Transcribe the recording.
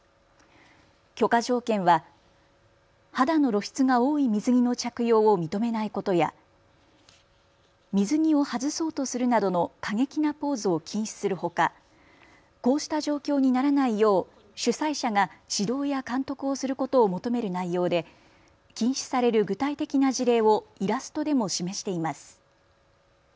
許可条件は肌の露出が多い水着の着用を認めないことや水着を外そうとするなどの過激なポーズを禁止するほかこうした状況にならないよう主催者が指導や監督をすることを求める内容で禁止される具体的な事例をイラストでも示しています。